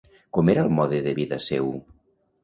Com era el mode de vida seu?